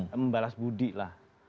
membalas budi lah